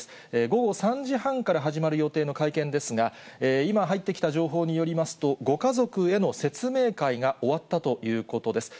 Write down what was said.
午後３時半から始まる予定の会見ですが、今入ってきた情報によりますと、ご家族への説明会が終わったということです。